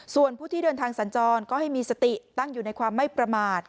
ส่วนผู้ที่เดินทางสัญจรก็ให้มีสติตั้งอยู่ในความไม่ประมาท